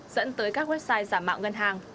dẫn tới các website giảm mạng ngân hàng